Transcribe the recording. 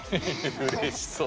うれしそう。